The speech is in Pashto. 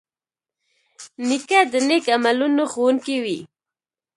نیکه د نیک عملونو ښوونکی وي.